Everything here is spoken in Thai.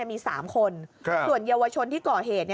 มี๓คน